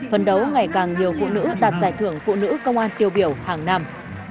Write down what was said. phấn đấu ngày càng nhiều phụ nữ đạt giải thưởng phụ nữ công an tiêu biểu hàng năm